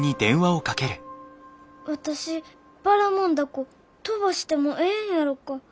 私ばらもん凧飛ばしてもええんやろか？